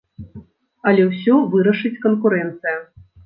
Але ўсё вырашыць канкурэнцыя.